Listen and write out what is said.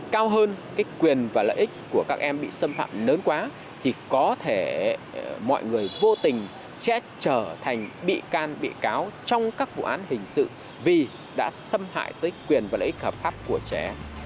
cao hơn cái quyền và lợi ích của các em bị xâm phạm lớn quá thì có thể mọi người vô tình sẽ trở thành bị can bị cáo trong các vụ án hình sự vì đã xâm hại tới quyền và lợi ích hợp pháp của trẻ